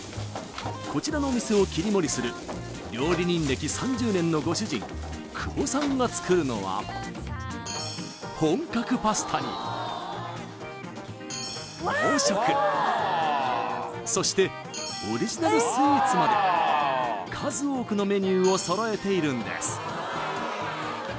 こちらのお店を切り盛りする料理人歴３０年のご主人久保さんが作るのは本格パスタに洋食そしてオリジナルスイーツまで数多くのメニューを揃えているんです！